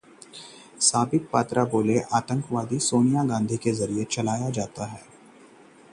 संबित पात्रा बोले- दिग्विजय का बयान निंदनीय, सोनिया गांधी मांगें माफी